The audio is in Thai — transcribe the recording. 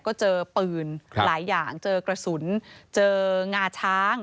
ก็เจอปืนหลายอย่างเจอกระสุนเจองาช้าง